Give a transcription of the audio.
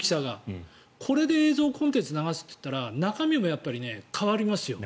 これで映像コンテンツを流すといったら中身も変わりますよ。